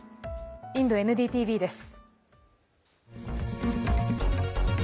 インドＮＤＴＶです。